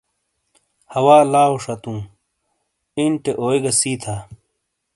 ہوا لاؤ شاتُوں اِینٹےنے اوئی گہ سی تھا۔